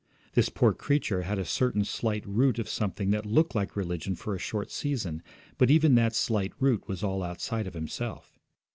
This poor creature had a certain slight root of something that looked like religion for a short season, but even that slight root was all outside of himself.